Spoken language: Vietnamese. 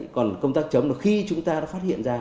còn công tác chống là khi chúng ta đã phát hiện ra